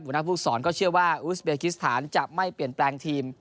หน้าผู้สอนก็เชื่อว่าอุสเบกิสถานจะไม่เปลี่ยนแปลงทีม